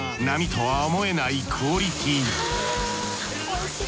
並とは思えないクオリティー。